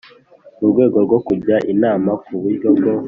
mu rwego rwo kujya inama ku buryo bwo